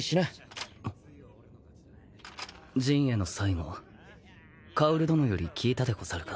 刃衛の最期薫殿より聞いたでござるか？